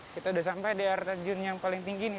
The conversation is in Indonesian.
kita udah sampai di air terjun yang paling tinggi nih